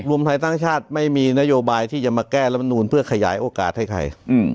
รวมไทยสร้างชาติไม่มีนโยบายที่จะมาแก้รัฐมนูลเพื่อขยายโอกาสให้ใคร